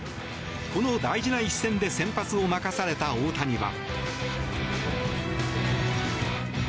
この大事な一戦で先発を任された大谷は。